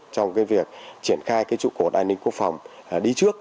trong việc triển khai trụ cột an ninh quốc phòng đi trước